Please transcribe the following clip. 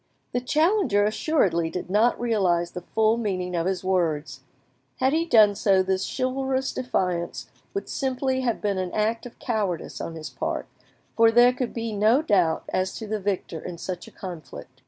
The challenger assuredly did not realise the full meaning, of his words; had he done so, this chivalrous defiance would simply have been an act of cowardice on his part, for there could be no doubt as to the victor in such a conflict.